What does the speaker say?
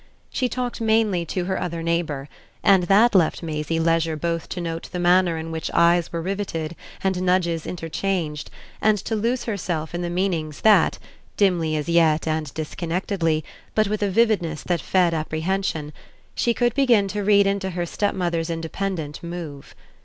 She talked mainly to her other neighbour, and that left Maisie leisure both to note the manner in which eyes were riveted and nudges interchanged, and to lose herself in the meanings that, dimly as yet and disconnectedly, but with a vividness that fed apprehension, she could begin to read into her stepmother's independent move.